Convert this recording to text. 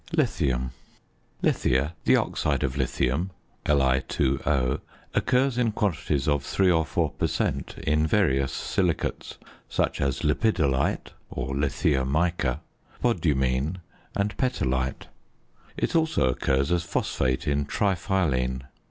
LITHIUM. Lithia, the oxide of lithium (Li_O), occurs in quantities of 3 or 4 per cent. in various silicates, such as lepidolite (or lithia mica), spodumene, and petalite. It also occurs as phosphate in triphyline.